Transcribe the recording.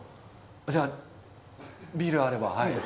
じゃあ、ビールあれば。